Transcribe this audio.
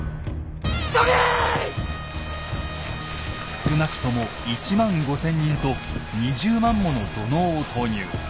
少なくとも１万５，０００人と２０万もの土のうを投入。